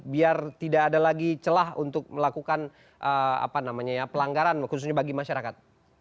biar tidak ada lagi celah untuk melakukan pelanggaran khususnya bagi masyarakat